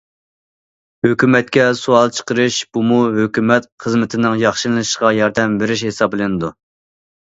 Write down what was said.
ھۆكۈمەتكە سوئال چىقىرىش بۇمۇ ھۆكۈمەت خىزمىتىنىڭ ياخشىلىنىشىغا ياردەم بېرىش ھېسابلىنىدۇ.